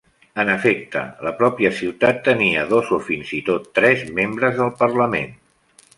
En efecte, la pròpia ciutat tenia dos o fins i tot tres Membres del Parlament.